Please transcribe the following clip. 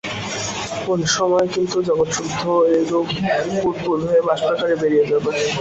কোন সময়ে কিন্তু জগৎসুদ্ধ এইরূপ বুদ্বুদ হয়ে বাষ্পাকারে বেরিয়ে যাবে।